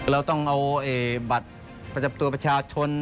เราต้องเอาบัตรประชาชน